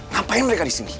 ngapain mereka disini